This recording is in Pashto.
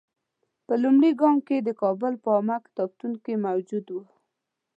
په لومړي ګام کې د کابل په عامه کتابتون کې موجود وو.